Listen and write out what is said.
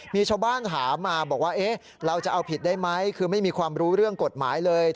มีชาวบ้านถามมาบอกว่าเราจะเอาผิดได้ไหมคือไม่มีความรู้เรื่องกฎหมายเลย